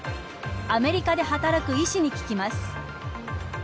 アメリカで働く医師に聞きます。